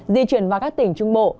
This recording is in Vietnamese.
di chuyển vào các tỉnh trung bộ